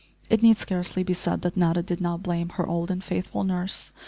It need scarcely be said that Netta did not blame her old and faithful nurse.